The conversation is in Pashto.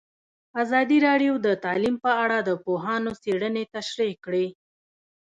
ازادي راډیو د تعلیم په اړه د پوهانو څېړنې تشریح کړې.